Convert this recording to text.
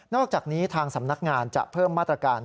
อกจากนี้ทางสำนักงานจะเพิ่มมาตรการ